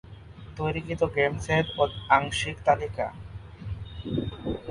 তৈরিকৃত গেমসের আংশিক তালিকা-